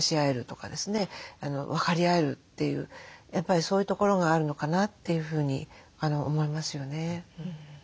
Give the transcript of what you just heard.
分かり合えるというやっぱりそういうところがあるのかなというふうに思いますよね。